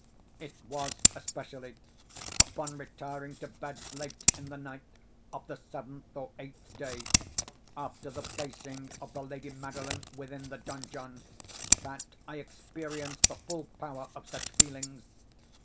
It was, especially, upon retiring to bed late in the night of the seventh or eighth day after the placing of the lady Madeline within the donjon, that I experienced the full power of such feelings.